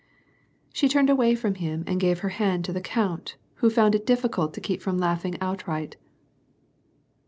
She turned away from him and gave her hand to the count, who found it difficult to keep from laughing outright.